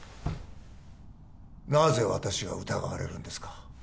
なぜ私が疑われるんですか？